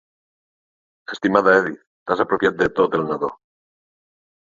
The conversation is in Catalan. Estimada Edith, t'has apropiat de tot el nadó.